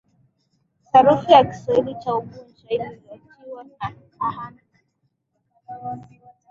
Sarufi ya Kiswahili cha Unguja lililoitwa A hand Book